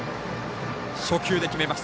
初球で決めました。